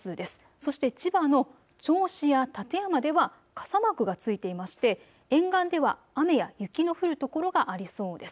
そして千葉の銚子や館山では傘マークがついていまして沿岸では雨や雪の降る所がありそうです。